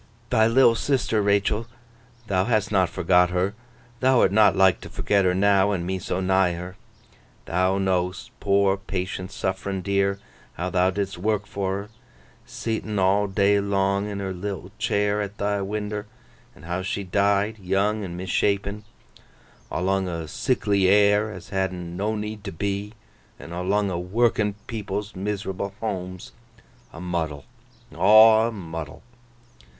'Thy little sister, Rachael, thou hast not forgot her. Thou'rt not like to forget her now, and me so nigh her. Thou know'st—poor, patient, suff'rin, dear—how thou didst work for her, seet'n all day long in her little chair at thy winder, and how she died, young and misshapen, awlung o' sickly air as had'n no need to be, an' awlung o' working people's miserable homes. A muddle! Aw a muddle!